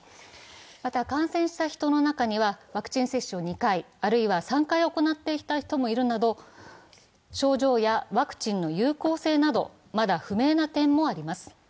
また感染した人の中にはワクチン接種を２回、あるいは３回した人もいるなど、症状やワクチンの有効性など、まだ不明な点もあります。